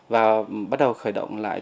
và bắt đầu khởi động lại